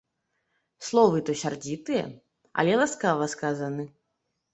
Словы то сярдзітыя, але ласкава сказаны.